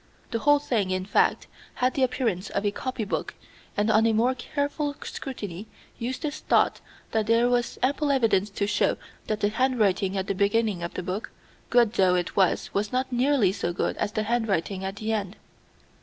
The whole thing, in fact, had the appearance of a copy book, and on a more careful scrutiny Eustace thought that there was ample evidence to show that the handwriting at the beginning of the book, good though it was was not nearly so good as the handwriting at the end.